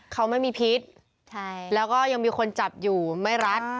เขาไม่มีพิษแล้วก็ยังมีคนจับอยู่ไม่รัด